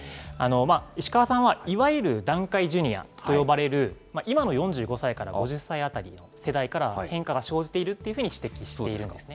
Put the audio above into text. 石川さんは、いわゆる団塊ジュニアと呼ばれる今の４５歳から５０歳あたりの世代から変化が生じているというふうに指摘しているんですね。